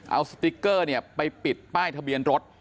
เอาสติ๊กเกอร์เนี่ยไปปิดป้ายทะเบียนรถ